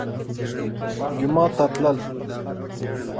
جومات ته تلل